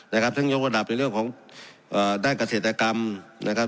นะครับซึ่งยกระดับในเรื่องของเอ่อด้านเกษตรกรรมนะครับ